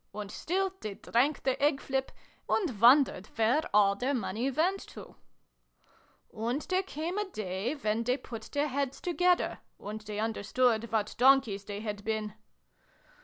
And still they drank their egg flip, and wondered where all their money went to. XIII] WHAT TOTTLES MEANT 197 " And there came a day when they put their heads together. And they understood what donkeys they had been.